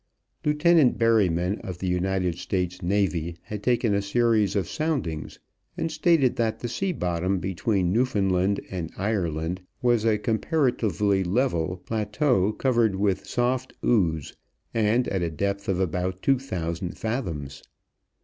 Lieutenant Berryman of the United States Navy had taken a series of soundings and stated that the sea bottom between Newfoundland and Ireland was a comparatively level plateau covered with soft ooze, and at a depth of about two thousand fathoms.